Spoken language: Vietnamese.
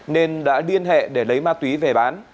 nên đã liên hệ để lấy ma túy về bán